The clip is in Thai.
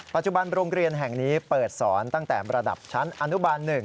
ปัจจุบันโรงเรียนแห่งนี้เปิดสอนตั้งแต่ระดับชั้นอนุบาล๑